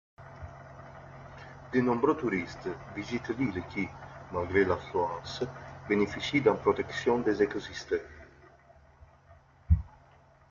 De nombreux touristes visitent l'île qui, malgré l'affluence, bénéficie d'une protection de ses écosystèmes.